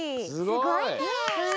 すごい！